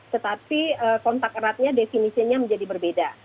tetapi kontak eratnya definisinya menjadi berbeda